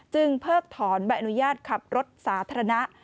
เพิกถอนใบอนุญาตขับรถสาธารณะ